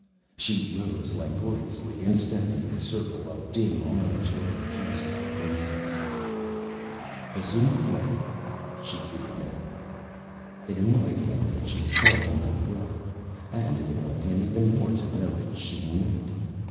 She rose langorously and stepped into the circle of dim orange light cast by the insects. "B'zhu, m'fweh," she greeted him. It annoyed him that she called him her brother, and it annoyed him even more to know that she knew it.